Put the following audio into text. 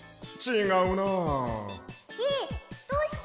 えっどうして？